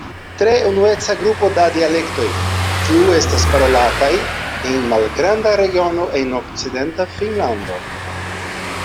Tre unueca grupo da dialektoj, kiu estas parolataj en malgranda regiono en okcidenta Finnlando.